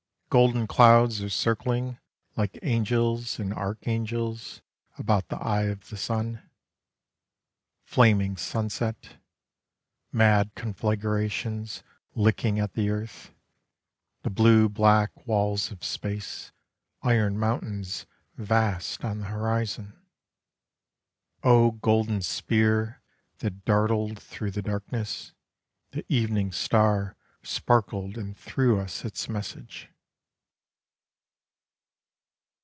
Golden clouds are circling Like angels and archangels About the eye of the sun. Flaming sunset: Mad conflagrations Licking at the earth, The blue black walls of space, Iron mountains vast on the horizon. O golden spear that dartled through the darkness! The evening star sparkled and threw us its message.